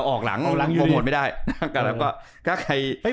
ออกหลังอยู่ดี